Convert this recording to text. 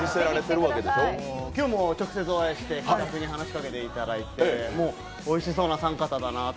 今日も直接お会いして話しかけていただいてもうおいしそうなお三方だなと。